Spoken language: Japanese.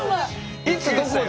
いつどこで？